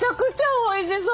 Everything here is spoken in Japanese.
おいしそう！